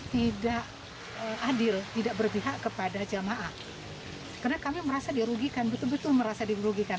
tidak adil tidak berpihak kepada jamaah karena kami merasa dirugikan betul betul merasa dirugikan